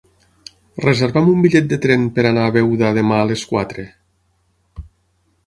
Reserva'm un bitllet de tren per anar a Beuda demà a les quatre.